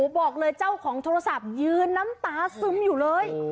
บอกเลยเจ้าของโทรศัพท์ยืนน้ำตาซึมอยู่เลย